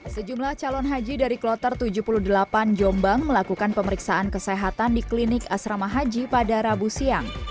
sejumlah calon haji dari kloter tujuh puluh delapan jombang melakukan pemeriksaan kesehatan di klinik asrama haji pada rabu siang